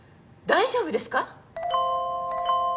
大丈夫ですか！？